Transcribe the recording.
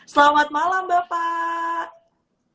selamat malam bapak